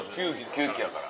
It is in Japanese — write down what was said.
９期やから。